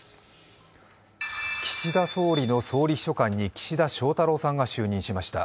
岸田総理の総理秘書官に岸田翔太郎さんが就任しました。